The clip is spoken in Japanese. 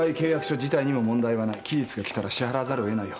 期日が来たら支払わざるをえないよ。